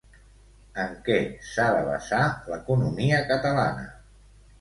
En què s'ha de basar l'economia catalana?